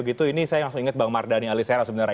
itu ini saya ingat bang mardani alisera sebenarnya